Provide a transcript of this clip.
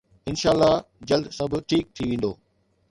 انشاالله جلد سڀ ٺيڪ ٿي ويندو